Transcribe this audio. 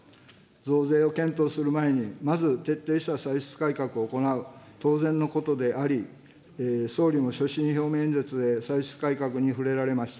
増税を検討する前に、まず徹底した歳出改革を行う、当然のことであり、総理も所信表明演説で歳出改革にふれられました。